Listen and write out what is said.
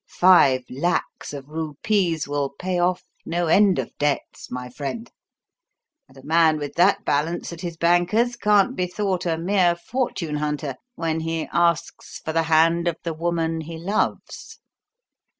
Five lacs of rupees will pay off no end of debts, my friend; and a man with that balance at his banker's can't be thought a mere fortune hunter when he asks for the hand of the woman he loves."